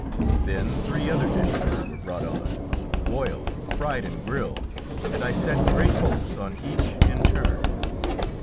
Then three other dishes were brought on, boiled, fried and grilled, and I set great hopes on each in turn.